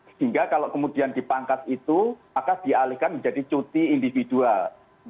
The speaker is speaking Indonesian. sehingga kalau kemudian dipangkas itu maka dialihkan menjadi cuti individual